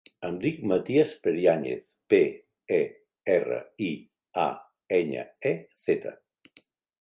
Em dic Matías Periañez: pe, e, erra, i, a, enya, e, zeta.